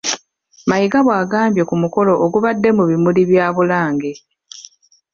Mayiga bwagambye ku mukolo ogubadde mu bimuli bya Bulange.